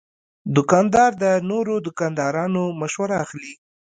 دوکاندار د نورو دوکاندارانو مشوره اخلي.